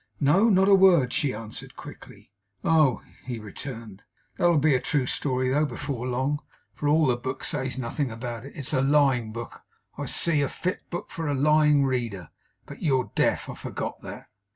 'No. Not a word,' she answered quickly. 'Oh!' he returned. 'That'll be a true story though, before long; for all the book says nothing about it. It's a lying book, I see. A fit book for a lying reader. But you're deaf. I forgot that.